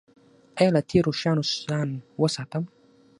ایا له تیرو شیانو ځان وساتم؟